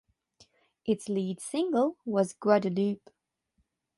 Its lead single was "Guadalupe".